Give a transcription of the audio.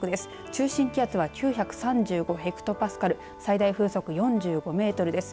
中心気圧は９３５ヘクトパスカル最大風速４５メートルです。